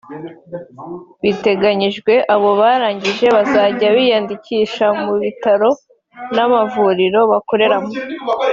Biteganyijwe abo barangije bazajya biyandikisha mu bitaro n’amavuriro bakoreramo